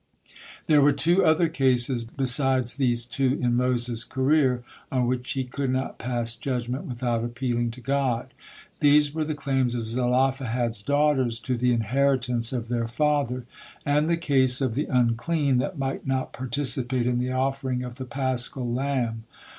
There were two other cases beside these two in Moses' career on which he could not pass judgement without appealing to God. These were the claims of Zelophehad's daughters to the inheritance of their father, and the case of the unclean that might not participate in the offering of the paschal lamb.